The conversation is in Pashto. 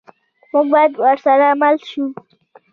موږ باید ورسره مل شو.